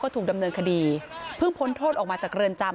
ถูกดำเนินคดีเพิ่งพ้นโทษออกมาจากเรือนจำ